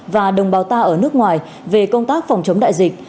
và đồng bào ta ở nước ngoài về công tác phòng chống đại dịch